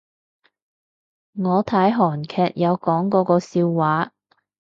我睇韓劇有講過個笑話